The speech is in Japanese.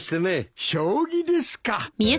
将棋ですか。